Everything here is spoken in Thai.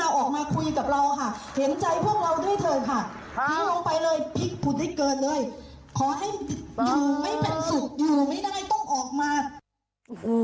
ขอให้ดูไม่แบบสุกอยู่ไม่ได้ต้องออกมา